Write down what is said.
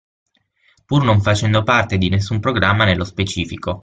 Pur non facendo parte di nessun programma nello specifico.